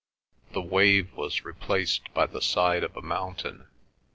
The wave was replaced by the side of a mountain.